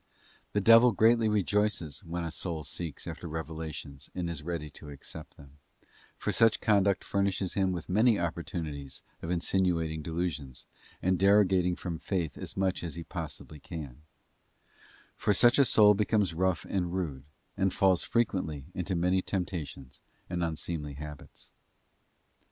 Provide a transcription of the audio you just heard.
The devil greatly rejoices when a soul seeks after revelations and is ready to accept them; for such _ conduct furnishes him with many opportunities of insinuating _ delusions, and derogating from faith as much as he possibly ean; for such a soul becomes rough and rude, and falls fre quently into many temptations and unseemly habits.